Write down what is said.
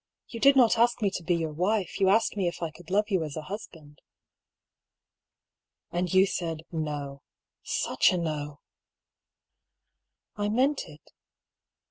" You did not ask me to be your wife ; you asked me if I could love you as a husband." " And you said 'iVb.' Such a No !"" I meant it."